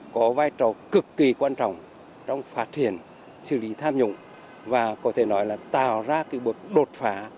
có vai trò cực kỳ quan trọng trong phát triển xử lý tham nhũng và có thể nói là tạo ra cái bước đột phá